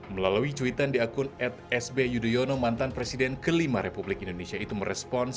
melalui cuitan di akun at sbyudhoyono mantan presiden ke lima republik indonesia itu merespon